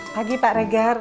pagi pak regar